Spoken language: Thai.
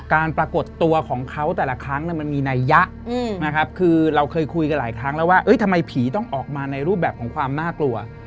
ปรากฏตัวของเขาแต่ละครั้งมันมีนัยยะนะครับคือเราเคยคุยกันหลายครั้งแล้วว่าทำไมผีต้องออกมาในรูปแบบของความน่ากลัว